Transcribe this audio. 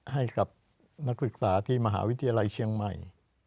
ให้กับนักศึกษาที่มหาวิทยาลัยเชียงใหม่